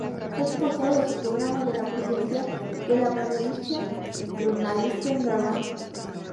Fue expulsado de su programa y de la presidencia de la Bayerischen Journalisten-Verband.